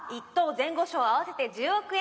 ・前後賞合わせて１０億円。